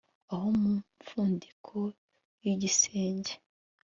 aho mu mfundiko y'igisenge